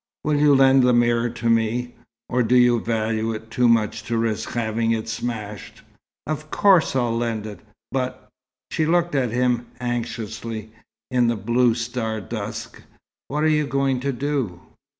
"Will you lend the mirror to me or do you value it too much to risk having it smashed?" "Of course I'll lend it. But " she looked up at him anxiously, in the blue star dusk. "What are you going to do?"